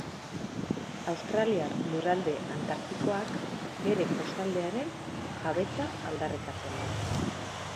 Australiar Lurralde Antartikoak bere kostaldearen jabetza aldarrikatzen du.